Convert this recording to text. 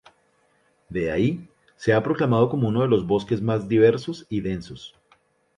De ahí, se ha proclamado como uno de los bosques más diversos y densos.